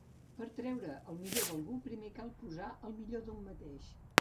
Per treure el millor d'algú primer cal posar el millor d'un mateix.